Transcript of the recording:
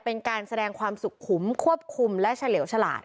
เป็นการแสดงความสุขุมควบคุมและเฉลี่ยวฉลาด